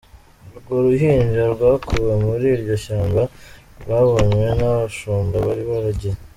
Urwo ruhinja rwakuwe muri iryo shyamba rwabonywe n’abashumba bari baragiye.